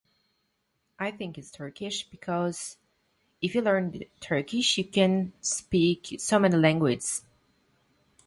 I think it's Turkish, because if you learn Turkish you can speak so many languages.